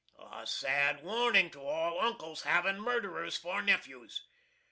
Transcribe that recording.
A sad warning to all uncles havin' murderers for nephews.